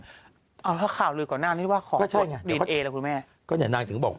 ถ้าข่าวข่าวลือของนางนี่ว่าขอโปรดเรียนเอแล้วคุณแม่